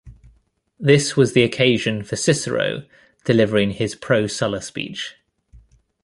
This was the occasion for Cicero delivering his Pro Sulla speech.